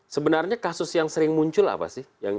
sebenarnya kasus yang sering muncul apa sih